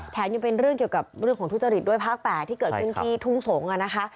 ยังเป็นเรื่องเกี่ยวกับเรื่องของทุจริตด้วยภาค๘ที่เกิดขึ้นที่ทุ่งสงศ์นะคะ